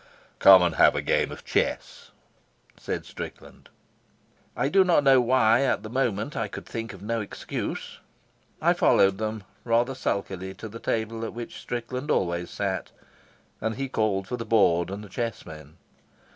"Come and have a game of chess," said Strickland. I do not know why at the moment I could think of no excuse. I followed them rather sulkily to the table at which Strickland always sat, and he called for the board and the chessmen.